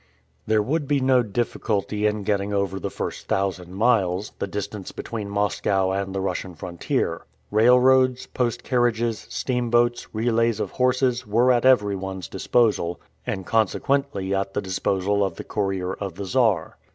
There would be no difficulty in getting over the first thousand miles, the distance between Moscow and the Russian frontier. Railroads, post carriages, steamboats, relays of horses, were at everyone's disposal, and consequently at the disposal of the courier of the Czar.